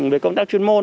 với công tác chuyên môn